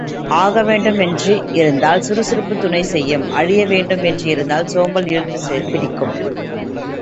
ஆகவேண்டும் என்று இருந்தால் சுறுசுறுப்புத் துணை செய்யும் அழியவேண்டும் என்று இருந்தால் சோம்பல் இழுத்துப் பிடிக்கும்.